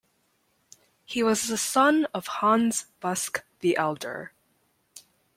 He was the son of Hans Busk the elder.